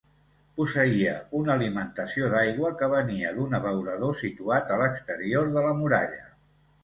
Posseïa una alimentació d'aigua que venia d'un abeurador situat a l'exterior de la muralla.